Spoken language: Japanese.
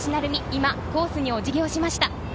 今、コースにお辞儀をしました。